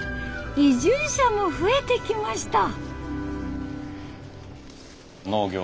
移住者も増えてきました。